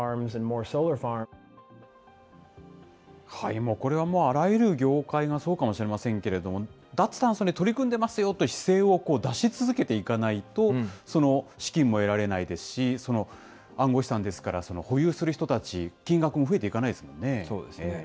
もう、これはもうあらゆる業界がそうかもしれませんけれども、脱炭素に取り組んでますよという姿勢を出し続けていかないと、その資金も得られないですし、暗号資産ですから、保有する人たち、そうですね。